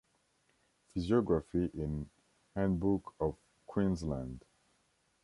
Physiography in "Handbook of Queensland".